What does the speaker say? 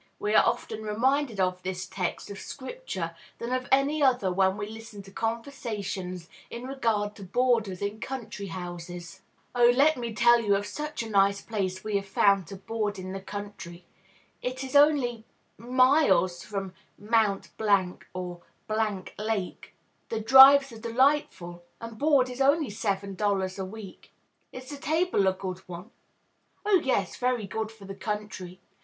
We are oftener reminded of this text of Scripture than of any other when we listen to conversations in regard to boarders in country houses. "Oh, let me tell you of such a nice place we have found to board in the country. It is only miles from Mt. or Lake; the drives are delightful, and board is only $7 a week." "Is the table a good one?" "Oh, yes; very good for the country.